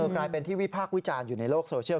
กลายเป็นที่วิพากษ์วิจารณ์อยู่ในโลกโซเชียล